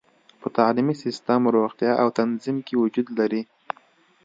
په تعلیمي سیستم، روغتیا او تنظیم کې وجود لري.